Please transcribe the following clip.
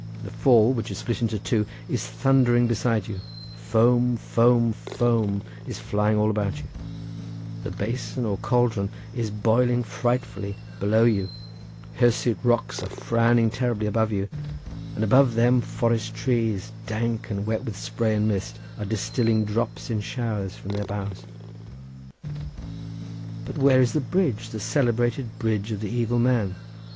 The fall, which is split into two, is thundering beside you; foam, foam, foam is flying all about you; the basin or cauldron is boiling frightfully below you; hirsute rocks are frowning terribly above you, and above them forest trees, dank and wet with spray and mist, are distilling drops in showers from their boughs. But where is the bridge, the celebrated bridge of the Evil Man?